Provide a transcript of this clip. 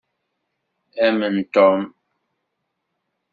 Amen Tom.